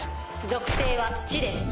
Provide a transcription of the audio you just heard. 属性は地です。